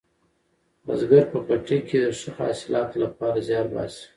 بزګر په پټي کې د ښه حاصلاتو لپاره زیار باسي